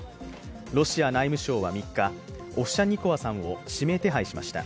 ロシア内務省は３日、オフシャンニコワさんを指名手配しました。